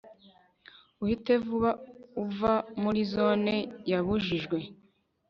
uhite vuba uva muri zone yabujijwe